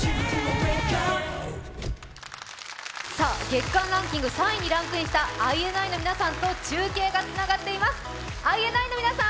月間ランキング３位にランクインしたＩＮＩの皆さんと中継がつながっています。